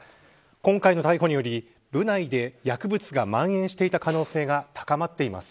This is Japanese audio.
今回の逮捕により、部内で薬物がまん延していた可能性が高まっています。